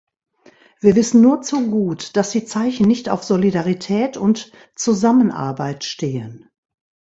Wir wissen nur zu gut, dass die Zeichen nicht auf Solidarität und Zusammenarbeit stehen.